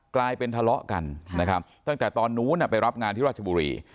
กลายเป็นทะเลาะกันนะครับตั้งแต่ตอนนู้นไปรับงานที่ราชบุรี